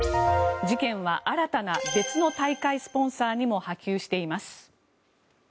事件は新たな別の大会スポンサーにも波及しています。